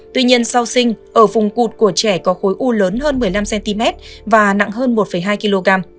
tuy nhiên sau sinh ở vùng cụt của trẻ có khối u lớn hơn một mươi năm cm và nặng hơn một hai kg